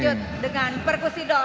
dan dilanjut dengan perkusido